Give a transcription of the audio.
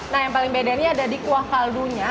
nah yang paling bedanya ada di kuah kaldunya